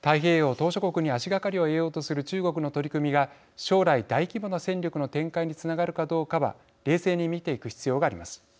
島しょ国に足がかりを得ようとする中国の取り組みが将来、大規模な戦力の展開につながるかどうかは冷静に見ていく必要があります。